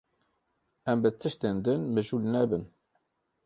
Em bi tiştên din mijûl nebin.